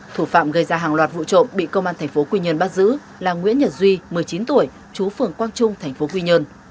thủ phạm gây ra hàng loạt vụ trộm bị công an tp quy nhơn bắt giữ là nguyễn nhật duy một mươi chín tuổi chú phường quang trung tp quy nhơn